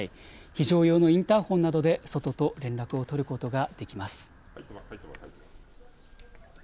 非常用のインターホンなどで外と連絡を取ることができます。